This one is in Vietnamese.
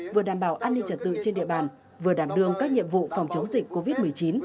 vừa đảm bảo an ninh trật tự trên địa bàn vừa đảm đương các nhiệm vụ phòng chống dịch covid một mươi chín